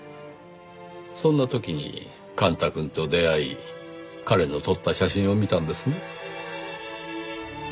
そんな時に幹太くんと出会い彼の撮った写真を見たんですね？